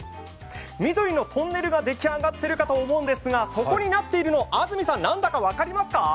緑のトンネルができあがっていると思うんですが、そこになってるの、安住さん何か分かりますか？